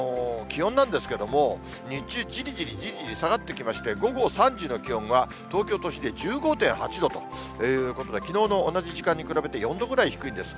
気温なんですけれども、日中、じりじりじりじり下がってきまして、午後３時の気温は東京都心で１５．８度ということで、きのうの同じ時間に比べて４度ぐらい低いんです。